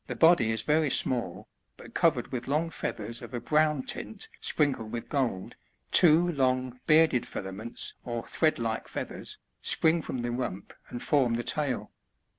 body is very small, but covered with Jong feathers of a brown tint sprinkled with gold, two long bearded filaments or thread like feathers, spring from the rump and form the tail.